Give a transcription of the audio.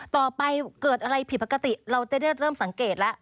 ต่อไปเกิดอะไรผิดปกติเราจะได้เริ่มสังเกตแล้ว